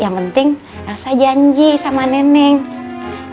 yang penting rasa janji sama nenek